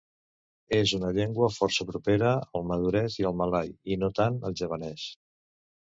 És una llengua força propera al madurès i al malai, i no tant al javanès.